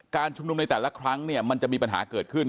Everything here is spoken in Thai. ชุมนุมในแต่ละครั้งเนี่ยมันจะมีปัญหาเกิดขึ้น